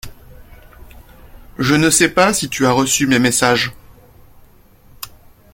Je ne sais pas si tu as reçu mes messages.